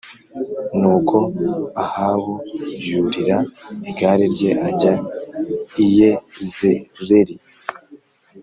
Nuko Ahabu yurira igare rye ajya i Yezerēli